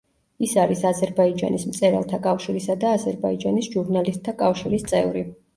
ის არის აზერბაიჯანის მწერალთა კავშირისა და აზერბაიჯანის ჟურნალისტთა კავშირის წევრი.